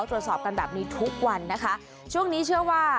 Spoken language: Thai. ตรวจสอบกันแบบนี้ทุกวันนะคะช่วงนี้เชื่อว่า